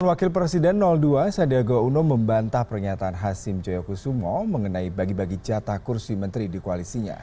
wakil presiden dua sandiaga uno membantah pernyataan hasim joyokusumo mengenai bagi bagi jatah kursi menteri di koalisinya